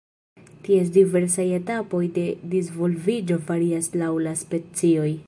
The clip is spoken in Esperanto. Ties diversaj etapoj de disvolviĝo varias laŭ la specioj.